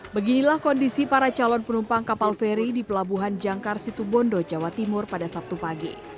beginilah kondisi para calon penumpang kapal feri di pelabuhan jangkar situbondo jawa timur pada sabtu pagi